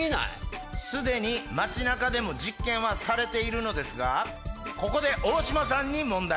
すでに街中でも実験はされているのですがここでオオシマさんに問題！